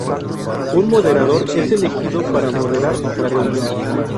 Un moderador es elegido para moderar la reunión.